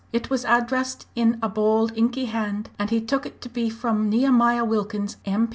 It was addressed in a bold inky hand, and he took it to be from Nehemiah Wilkins, M.